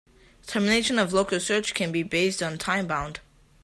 Termination of local search can be based on a time bound.